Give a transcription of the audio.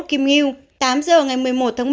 tám giờ ngày một mươi một tháng một mươi một cây xăng